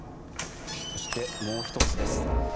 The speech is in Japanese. そして、もう１つです。